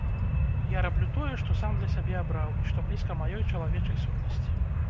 Я раблю тое, што сам для сябе абраў, і што блізка маёй чалавечай сутнасці.